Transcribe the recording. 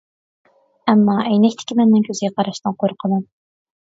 ئەمما ئەينەكتىكى مەننىڭ كۆزىگە قاراشتىن قورقىمەن.